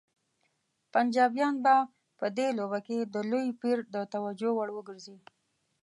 پنجابیان به په دې لوبه کې د لوی پیر د توجه وړ وګرځي.